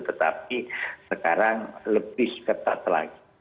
tetapi sekarang lebih ketat lagi